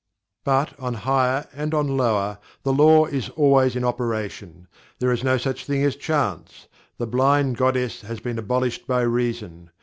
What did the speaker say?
But, on higher and on lower, the Law is always in operation. There is no such thing as Chance. The blind goddess has been abolished by Reason.